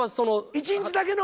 一日だけの？